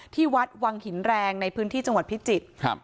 ที่วัดวังหินแรงในพื้นที่จังหวัดพิจิตรครับ